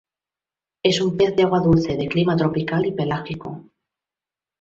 Es un pez de Agua dulce, de clima tropical y pelágico.